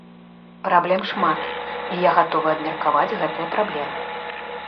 Праблем шмат, і я гатовы абмеркаваць гэтыя праблемы.